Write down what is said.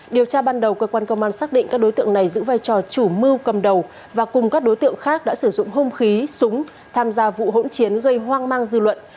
điều tra ban đầu cơ quan công an xác định các đối tượng này giữ vai trò chủ mưu cầm đầu và cùng các đối tượng khác đã sử dụng hông khí súng tham gia vụ hỗn chiến gây hoang mang dư luận